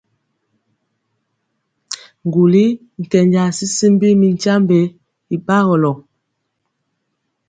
Ŋguli nkenja tyityimbi mi tyiambe y bagɔlo.